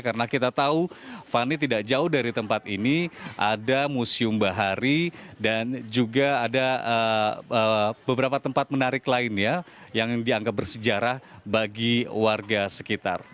karena kita tahu fani tidak jauh dari tempat ini ada museum bahari dan juga ada beberapa tempat menarik lain ya yang dianggap bersejarah bagi warga sekitar